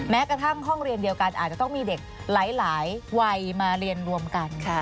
แม้กระทั่งห้องเรียนเดียวกันอาจจะต้องมีเด็กหลายวัยมาเรียนรวมกัน